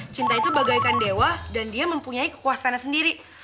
cinta itu bagaikan dewa dan dia mempunyai kekuasaannya sendiri